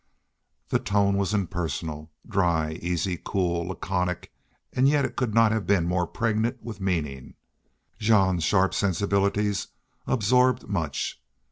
The tone was impersonal, dry, easy, cool, laconic, and yet it could not have been more pregnant with meaning. Jean's sharp sensibilities absorbed much.